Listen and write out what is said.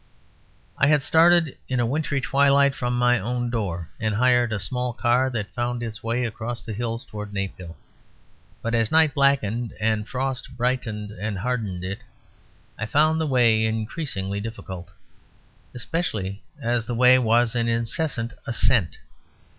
I had started in wintry twilight from my own door; and hired a small car that found its way across the hills towards Naphill. But as night blackened and frost brightened and hardened it I found the way increasingly difficult; especially as the way was an incessant ascent.